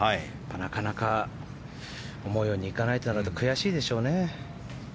なかなか思うようにいかないのは悔しいでしょうね。